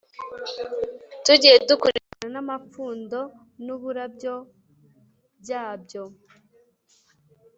tugiye dukurikirana n’ amapfundo n’ uburabyo byabyo